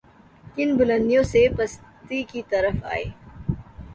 کن بلندیوں سے پستی کی طرف آئے۔